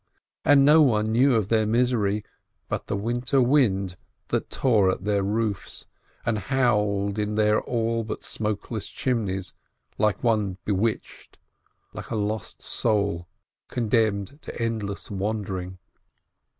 And no one knew of their misery but the winter wind that tore at their roofs and howled in their all but smokeless chimneys like one bewitched, like a lost soul condemned to endless wandering.